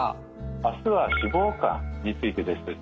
明日は脂肪肝についてです。